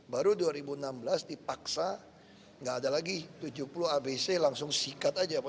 baru dua ribu enam belas dipaksa nggak ada lagi tujuh puluh abc langsung sikat aja pak